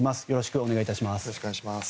よろしくお願いします。